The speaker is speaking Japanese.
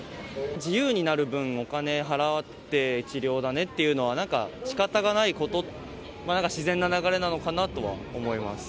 自由になる分、お金を払って治療だねっていうのは、しかたがないこと、自然な流れなのかなとは思います。